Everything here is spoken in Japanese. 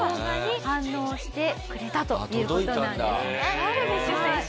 ダルビッシュ選手。